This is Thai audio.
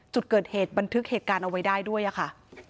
จุดเกิดเหตุบันทึกเหตุการณ์เอาไว้ได้ด้วยค่ะ